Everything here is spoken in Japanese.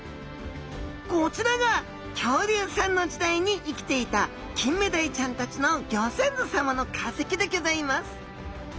こちらが恐竜さんの時代に生きていたキンメダイちゃんたちのギョ先祖さまの化石でギョざいます。